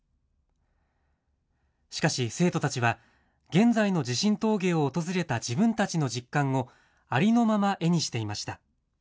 しかし生徒たちは現在の地震峠を訪れた自分たちの実感をありのまま絵にしていました。